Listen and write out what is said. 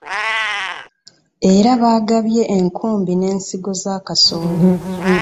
Era baagabye enkumbi n'ensigo za kasooli.